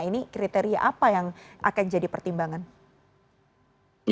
ini kriteria apa yang akan jadi pertimbangan